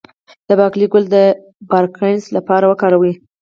د باقلي ګل د پارکنسن لپاره وکاروئ